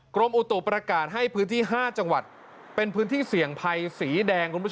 กรมอุตุประกาศให้พื้นที่๕จังหวัดเป็นพื้นที่เสี่ยงภัยสีแดงคุณผู้ชม